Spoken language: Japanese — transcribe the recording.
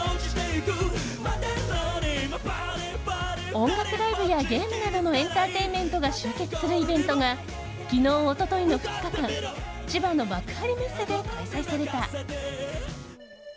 音楽ライブやゲームなどのエンターテインメントが集結するイベントが昨日、一昨日の２日間千葉県の幕張メッセで開催された。